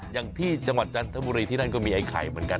อย่างที่จังหวัดจันทบุรีที่นั่นก็มีไอ้ไข่เหมือนกัน